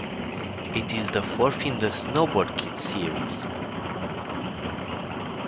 It is the fourth in the "Snowboard Kids" series.